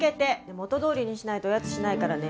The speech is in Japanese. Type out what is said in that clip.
元どおりにしないとおやつしないからね